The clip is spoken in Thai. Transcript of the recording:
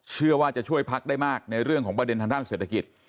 เชื่อว่าจะช่วยพักได้มากในเรื่องของประเด็นทางด้านเศรษฐกิจ